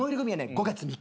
５月３日。